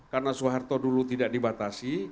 karena soeharto dulu tidak dibatasi